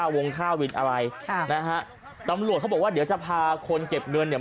วงค่าวินอะไรค่ะนะฮะตำรวจเขาบอกว่าเดี๋ยวจะพาคนเก็บเงินเนี่ย